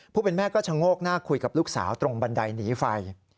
เป็นแม่ก็ชะโงกหน้าคุยกับลูกสาวตรงบันไดหนีไฟ